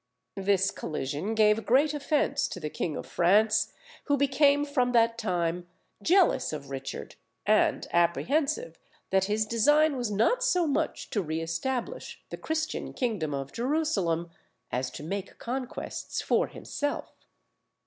This collision gave great offence to the king of France, who became from that time jealous of Richard, and apprehensive that his design was not so much to re establish the Christian kingdom of Jerusalem, as to make conquests for himself.